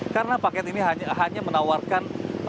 karena paket ini hanya menawarkan